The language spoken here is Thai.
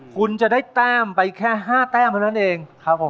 คุณจะได้เตาะไปแค่๕เตาะแค่เท่านั้นเอง